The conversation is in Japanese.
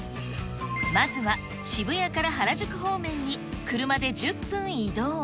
まずは渋谷から原宿方面に車で１０分移動。